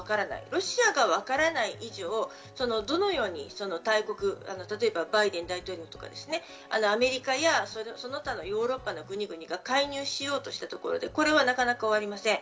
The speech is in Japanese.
ロシアがわからない以上、どのように大国、例えばバイデン大統領とか、アメリカやその他のヨーロッパの国々が介入しようとしたところでなかなか終わりません。